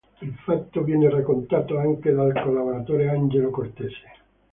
Il fatto viene raccontato anche dal collaboratore Angelo Cortese.